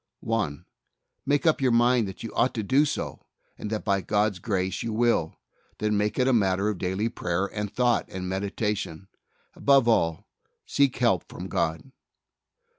1. Make up your mind that you ought to do so, and that by God's grace you will ; then, make it a matter of daily prayer and thought and meditation. Above all, seek help from God.